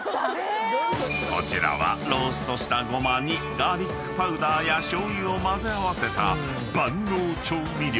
［こちらはローストしたごまにガーリックパウダーや醤油をまぜ合わせた万能調味料］